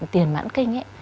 tiền mãn kinh ấy